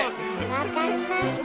分かりました！